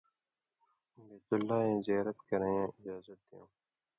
بیت اللہ ایں زیارت کرَیں اِجازہ دېوں